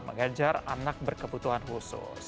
mengajar anak berkebutuhan khusus